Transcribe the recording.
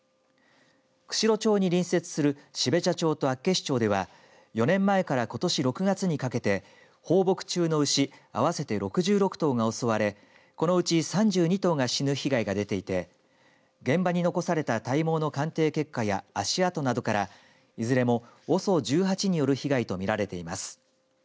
釧路町に隣接する標茶町と厚岸町では４年前から、ことし６月にかけて放牧中の牛合わせて６６頭が襲われこのうち３２頭が死ぬ被害が出ていて現場に残された体毛の鑑定結果や足跡などから、いずれもＯＳＯ１８による被害と見られています。